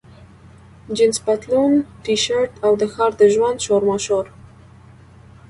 جینس پتلون، ټي شرټ، او د ښار د ژوند شورماشور.